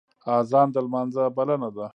اذان د لمانځه بلنه ده